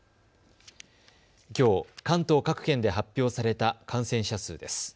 きょう、関東各県で発表された感染者数です。